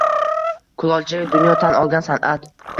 Kulolchilik – dunyo tan olgan san’at